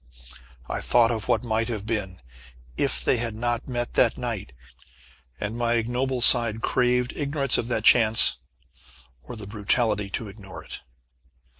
I thought of what might have been, if they had not met that night, and my ignoble side craved ignorance of that Chance, or the brutality to ignore it.